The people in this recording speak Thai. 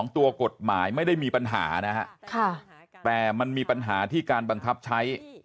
ตัวกฎหมายไม่ได้มีปัญหานะฮะแต่มันมีปัญหาที่การบังคับใช้